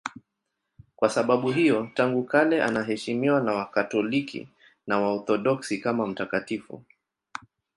Kwa sababu hiyo tangu kale anaheshimiwa na Wakatoliki na Waorthodoksi kama mtakatifu.